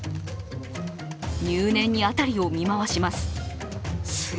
入念に辺りを見回します。